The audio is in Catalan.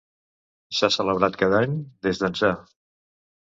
S'ha celebrat cada any des d'ençà.